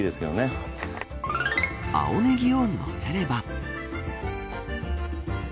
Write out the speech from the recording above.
青ネギをのせれば。